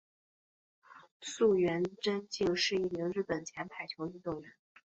菅原贞敬是一名日本前排球运动员。